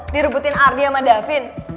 direbutin ardi sama davin